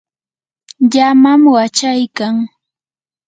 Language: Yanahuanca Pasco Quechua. llamam wachaykan.